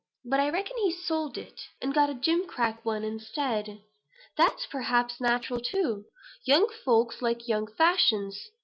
But, I reckon he's sold it, and got that gimcrack one instead. That's perhaps natural too. Young folks like young fashions.